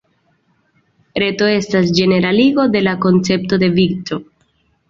Reto estas ĝeneraligo de la koncepto de vico.